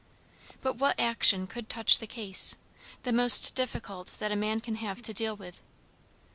But what action could touch the case? the most difficult that a man can have to deal with.